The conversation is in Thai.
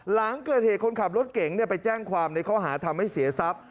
หลังเกิดเหตุคนขับรถเก๋งไปแจ้งความในข้อหาทำให้เสียทรัพย์